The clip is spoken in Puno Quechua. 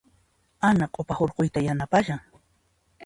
Ana q'upa hurquyta yanapashan.